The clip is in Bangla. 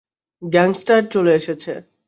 গ্যাংস্টার চলে এসেছে।